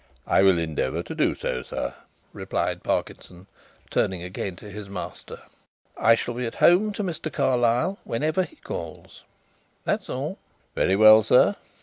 "I will endeavour to do so, sir," replied Parkinson, turning again to his master. "I shall be at home to Mr. Carlyle whenever he calls. That is all." "Very well, sir."